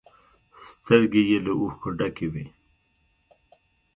سترگې يې له اوښکو ډکې وې.